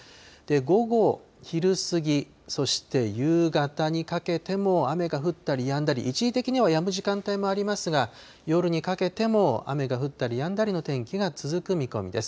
午後、昼過ぎ、そして夕方にかけても雨が降ったりやんだり、一時的にはやむ時間帯もありますが、夜にかけても雨が降ったりやんだりの天気が続く見込みです。